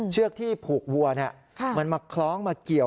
เชือกที่ผูกวัวมันมาคล้องมาเกี่ยว